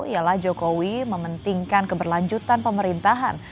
ialah jokowi mementingkan keberlanjutan pemerintahan